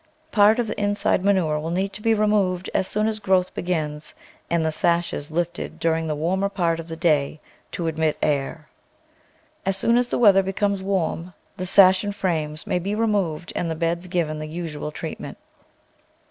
Paft of the inside manure will need to be removed as soon as growth begins and the sashes lifted during the warmer part of the day to admit air. As soon as the weather becomes warm the sash and frames may be removed and the beds given the usual treat ment.